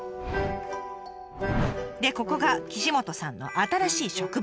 でここが岸本さんの新しい職場。